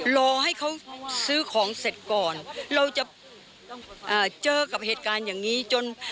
รอให้เขาซื้อของเสร็จก่อนเราจะเจอกับเหตุการณ์อย่างนี้จน